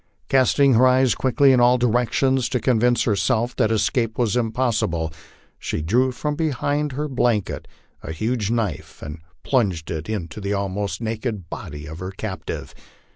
Cast ing her eyes quickly in all directions, to convince herself that escape was impossible, she drew from beneath her blanket a huge knife and plunged it into the almost naked body of her captive.